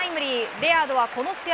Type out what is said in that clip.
レアードはこの試合